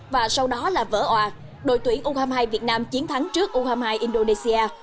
và sau đó là vỡ hòa đội tuyển u hai mươi hai việt nam chiến thắng trước u hai mươi hai indonesia